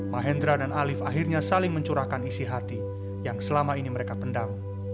mahendra dan alif akhirnya saling mencurahkan isi hati yang selama ini mereka pendam